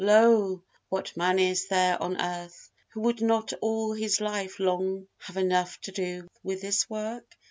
Lo! what man is there on earth, who would not all his life long have enough to do with this work?